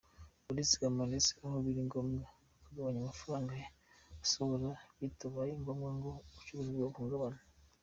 Barizigama ndetse aho biri ngombwa bakagabanya amafaranga basohora bitabaye ngombwa ko ubucuruzi bwabo buhungabana.